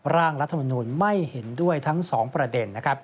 ร่างรัฐมนตร์ไม่เห็นด้วยทั้ง๒ประเด็น